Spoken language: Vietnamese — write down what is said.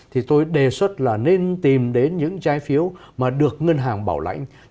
thì tôi đề xuất là nên tìm đến những trái phiếu mà được ngân hàng bảo lãnh